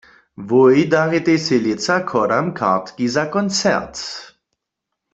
Wój daritej sej lětsa k hodam kartki za koncert.